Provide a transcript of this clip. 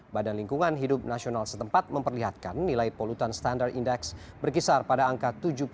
badan lingkungan hidup nasional setempat memperlihatkan nilai polutan standar indeks berkisar pada angka tujuh puluh lima delapan puluh dua